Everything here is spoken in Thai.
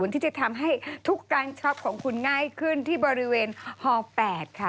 ที่จะทำให้ทุกการช็อปของคุณง่ายขึ้นที่บริเวณฮ๘ค่ะ